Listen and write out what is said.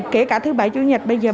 kể cả thứ bảy chủ nhật bây giờ